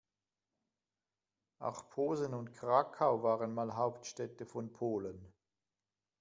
Auch Posen und Krakau waren mal Hauptstädte von Polen.